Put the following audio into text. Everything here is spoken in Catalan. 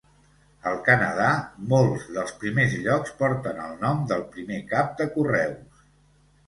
Al Canadà, molts dels primers llocs porten el nom del primer cap de correus.